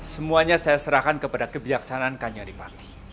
semuanya saya serahkan kepada kebijaksanaan kanjeng adipati